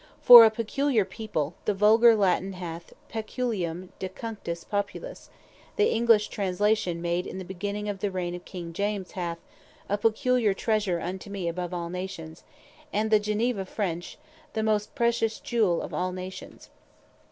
For a "Peculiar people" the vulgar Latine hath, Peculium De Cunctis Populis: the English translation made in the beginning of the Reign of King James, hath, a "Peculiar treasure unto me above all Nations;" and the Geneva French, "the most precious Jewel of all Nations."